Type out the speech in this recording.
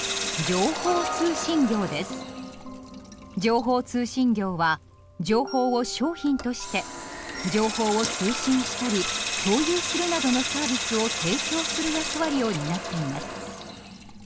情報通信業は情報を商品として情報を通信したり共有するなどのサービスを提供する役割を担っています。